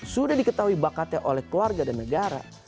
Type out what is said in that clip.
sudah diketahui bakatnya oleh keluarga dan negara